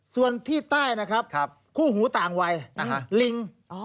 ส่วนที่ใต้นะครับคู่หูต่างวัยลิง